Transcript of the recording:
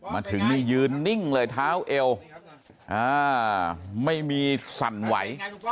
มาถึงนี่ยืนนิ่งเลยเท้าเอวไม่มีสั่นไหว